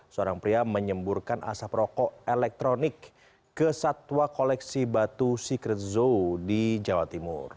seorang pria menyemburkan asap rokok elektronik ke satwa koleksi batu secret zoo di jawa timur